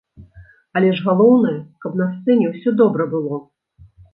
Але ж галоўнае, каб на сцэне ўсё добра было.